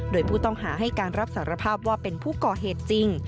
โดยผู้ต้องหาให้การรับสารภาพว่าเป็นผู้ก่อเหตุจริง